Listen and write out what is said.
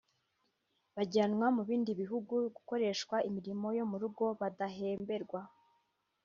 bajyanwa mu bindi bihugu gukoreshwa imirimo yo mu rugo badahemberwa